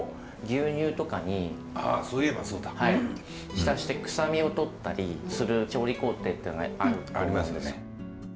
浸して臭みを取ったりする調理工程っていうのがあると思うので。